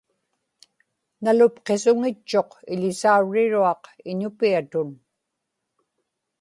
nalupqisuŋitchuq iḷisaurriruaq Iñupiatun